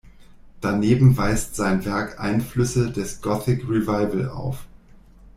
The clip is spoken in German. Daneben weist sein Werk Einflüsse des Gothic Revival auf.